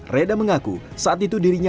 reda mengaku saat itu dirinya